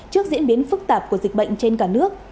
trước diễn biến phức tạp của dịch bệnh trên cả nước